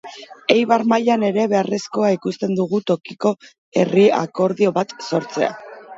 Eibar mailan ere beharrezkoa ikusten dugu tokiko herri akordio bat sortzea.